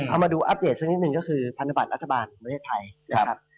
เอามาดูอัปเดตสักนิดหนึ่งก็คือพันธบัตรรัฐบาลประเทศไทยนะครับ